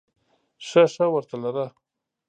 ښه ښه ورته لره !